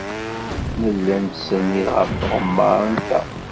Nella nettsennid ɣef tɣemmar-nteɣ.